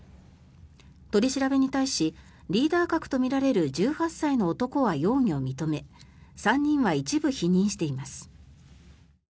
取り調べに対しリーダー格とみられる１８歳の男は容疑を認め３人は一部否認しています。